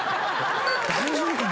大丈夫かな？